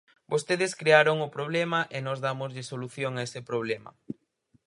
Vostedes crearon o problema e nós dámoslle solución a ese problema.